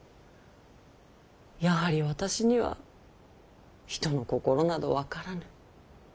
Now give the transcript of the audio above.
やはり私には人の心など分からぬ。